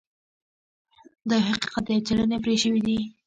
دا یو حقیقت دی او څیړنې پرې شوي دي